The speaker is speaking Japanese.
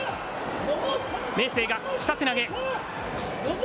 明生が下手投げ。